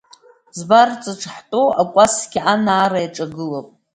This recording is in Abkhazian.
Збарҵаҿы ҳтәоу акәасқьа анаара иаҿагылоуп.